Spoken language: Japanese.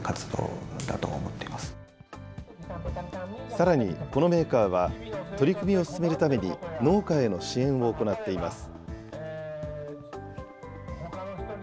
さらにこのメーカーは、取り組みを進めるために農家への支援を行っています。